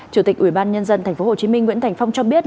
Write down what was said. chủ tịch ủy ban nhân dân thành phố hồ chí minh nguyễn thành phong cho biết